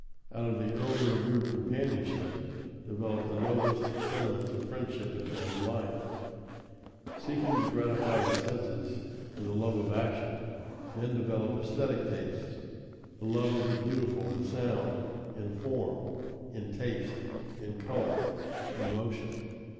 Out of the earlier rude companionship develop the noblest sentiments of friendship and family life. Seeking to gratify the senses and the love of action, men develop esthetic tastes, the love of the beautiful in sound, in form, in taste, in color, in motion.